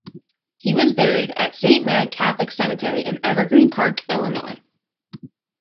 He was buried at Saint Mary Catholic Cemetery in Evergreen Park, Illinois.